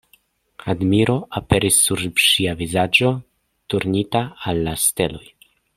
Admiro aperis sur ŝia vizaĝo, turnita al la steloj.